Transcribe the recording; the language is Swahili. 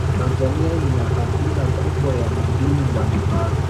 tanzania ina hadhina kubwa ya madini mbalimbali